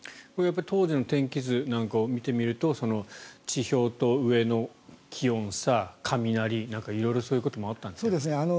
当時の天気図なんかを見てみると地表と上の気温差、雷なんか色々そういうこともあったんですかね。